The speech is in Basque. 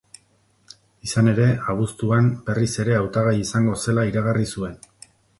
Izan ere, abuztuan, berriz ere hautagai izango zela iragarri zuen.